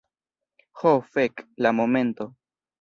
Ho, fek'. La momento.